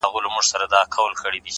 وخت د هوښیارو پانګه ده’